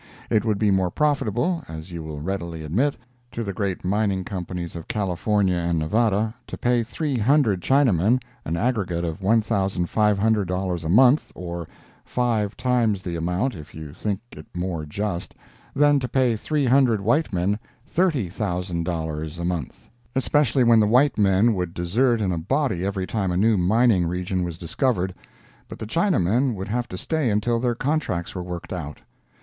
It would be more profitable, as you will readily admit, to the great mining companies of California and Nevada to pay 300 Chinamen an aggregate of $1,500 a month—or five times the amount, if you think it more just—than to pay 300 white men $30,000 a month. Especially when the white men would desert in a body every time a new mining region was discovered, but the Chinamen would have to stay until their contracts were worked out.